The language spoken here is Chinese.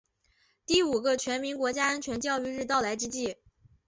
在第五个全民国家安全教育日到来之际